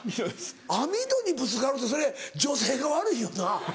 網戸にぶつかるってそれ女性が悪いよな。